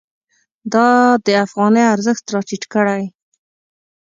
دا د افغانۍ ارزښت راټیټ کړی.